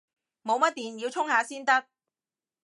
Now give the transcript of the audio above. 冇乜電，要充下先得